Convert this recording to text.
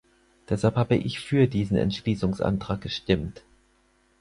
Deshalb habe ich für diesen Entschließungsantrag gestimmt.